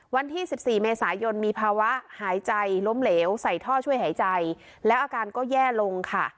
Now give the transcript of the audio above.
วันที่๑๔เมษายนมีภาวะหายใจล้มเหลวใส่ท่อช่วยหายใจแล้วอาการก็แย่ลงค่ะ